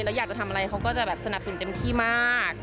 แล้วอยากจะทำอะไรเขาก็จะแบบสนับสนุนเต็มที่มาก